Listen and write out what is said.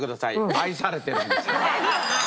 愛されてるんですよ。